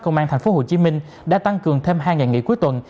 công an thành phố hồ chí minh đã tăng cường thêm hai nghỉ cuối tuần